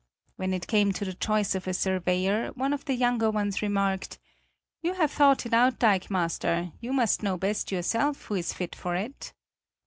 When it came to the choice of a surveyor, one of the younger ones remarked: "You have thought it out, dikemaster; you must know best yourself who is fit for it."